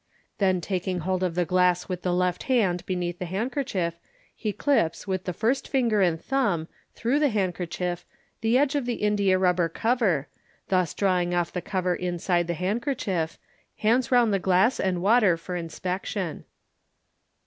Then taking hold of the glass with the left hand beneath the hand kerchief, he clips with the first finger and thumb, through the hand kerchief, the edge of the india rubber cover, and thus drawing off the cover inside the handkerchief, hands round the glass and water for inspection.